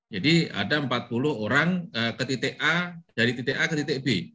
jadi ada empat puluh orang dari titik a ke titik b